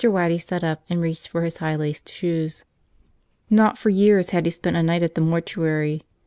Waddy sat up and reached for his high laced shoes. Not for years had he spent a night at the mortuary.